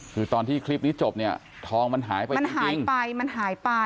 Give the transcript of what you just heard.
คือตอนที่คลิปนี้จบเนี่ยทองมันหายไปจริง